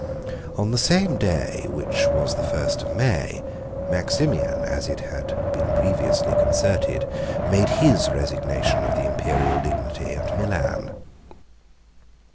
On the same day, which was the first of May, 109 Maximian, as it had been previously concerted, made his resignation of the Imperial dignity at Milan.